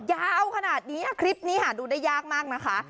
ยาวขนาดนี้คลิปนี้หาดูได้ยากมากนะคะ